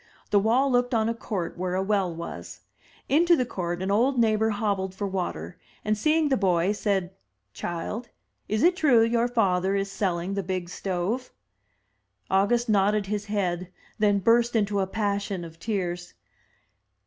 The wall looked on a court where a well was. Into the court an old neighbor hobbled for water, and, seeing the boy, said; "Child, is it true your father is selling the big stove?" August nodded his head, then burst into a passion of tears.